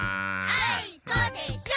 あいこでしょ！